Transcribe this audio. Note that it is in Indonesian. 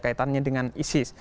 kaitannya dengan isis